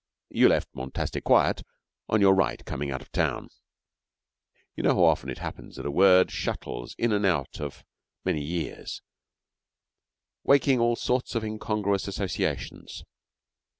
You left Wantastiquet on your right coming out of town,' You know how it often happens that a word shuttles in and out of many years, waking all sorts of incongruous associations.